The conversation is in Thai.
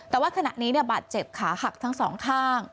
แต่ว่าขณะนี้บาดเจ็บขาหักทั้งสองข้าง